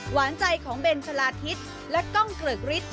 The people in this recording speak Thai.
หวานใจของเบนชลาธิตและก้องเกลอกริจ